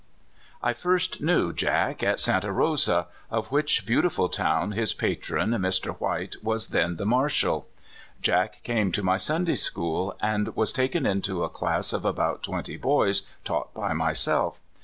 I first knew Jack at Santa Rosa, of which beau tiful town his patron, Mr. Wiiite, was then the marshal. Jack came to my Sunday school, and was taken into a class of about twenty boys taught by myself.